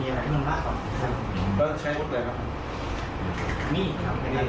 คอกฟังที่เนี่ย